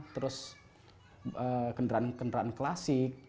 terus kendaraan kendaraan klasik